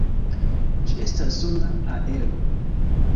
Ĝi estas sona aero.